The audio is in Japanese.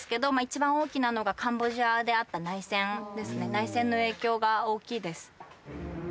内戦の影響が大きいです。